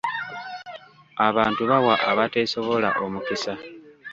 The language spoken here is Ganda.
Abantu bawa abateesobola omukisa.